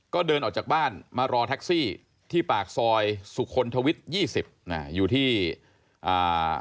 ก็เดินออกจากบ้านมารอแท็กซี่ที่ปากซอยสุคลทวิทย์ยี่สิบอ่าอยู่ที่อ่า